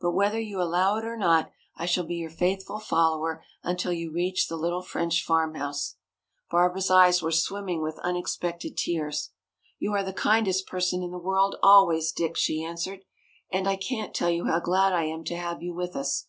But whether you allow it or not I shall be your faithful follower until you reach the little French farmhouse." Barbara's eyes were swimming with unexpected tears. "You are the kindest person in the world always, Dick," she answered. "And I can't tell you how glad I am to have you with us!